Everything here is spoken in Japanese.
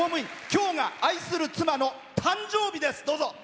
今日が愛する妻の誕生日です。